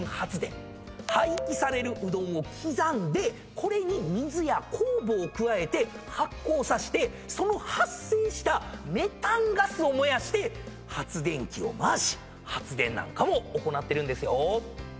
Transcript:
廃棄されるうどんを刻んでこれに水や酵母を加えて発酵させてその発生したメタンガスを燃やして発電機を回し発電なんかも行ってるんですよ。